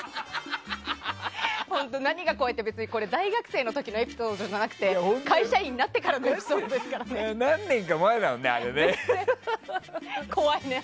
本当、何が怖いってこれは大学生の時のエピソードじゃなくて会社員になってからのエピソードですからね。